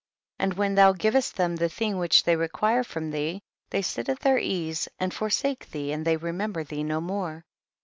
49. And when thou givest them the thing which they require from thee, they sit at their ease, and for sake thee and they remember thee no more.